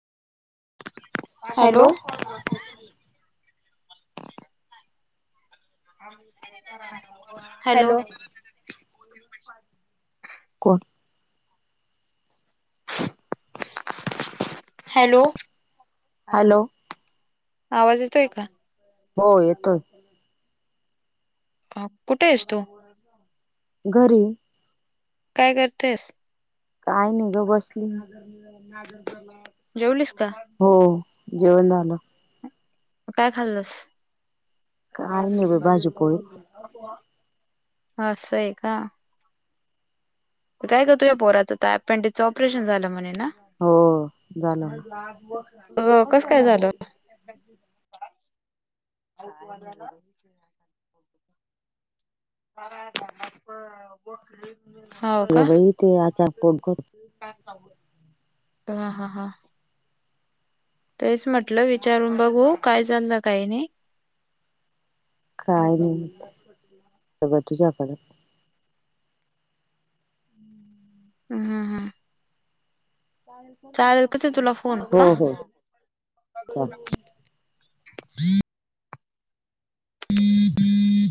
Hello hello [unintelligible] hello hello आवाज येतोय हो येतोय कुठे येस तू? घरी काय करतेस? काय नय ग बसली हो जेवण झालं. म काय खाल्लस? काय नाय ब भाजी पोळी असंय का कुठ हाय ग तूझ्या पोराच त अपेंडिकचं ऑपरेशन झालं म्हणे ना हो अ कस काय झालं? बर बर [inaudible] वबाई ते आता कोण कोण? हा हा हा. तेच म्हटलं विचारून बघू काय झाललं काही नाही. काय नाही सगं तुझ्याकडे. [unintelligible] हम. हो हो.